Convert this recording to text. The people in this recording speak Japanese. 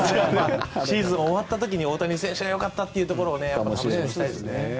シーズンが終わった時に大谷選手よかったというところを楽しみにしたいですね。